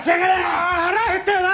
ああ腹減ったよな！